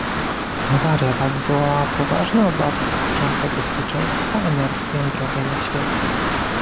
Awaria ta wywołała poważne obawy dotyczące bezpieczeństwa energii jądrowej na świecie